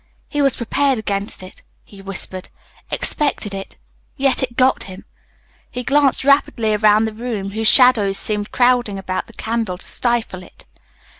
"He was prepared against it," he whispered, "expected it, yet it got him." He glanced rapidly around the room whose shadows seemed crowding about the candle to stifle it.